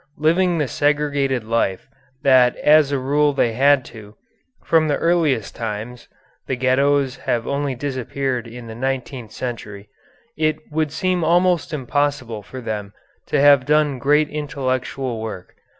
Living the segregated life that as a rule they had to, from the earliest times (the Ghettos have only disappeared in the nineteenth century), it would seem almost impossible for them to have done great intellectual work.